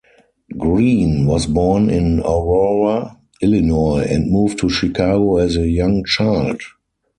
Greene was born in Aurora, Illinois and moved to Chicago as a young child.